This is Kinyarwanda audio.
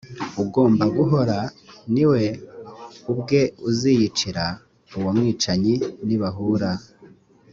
ugomba guhora, ni we ubwe uziyicira uwo mwicanyi nibahura.